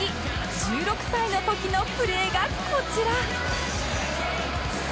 １６歳の時のプレーがこちら